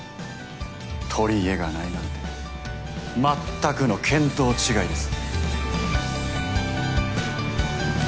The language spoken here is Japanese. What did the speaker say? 取り柄がないなんて全くの見当違いです。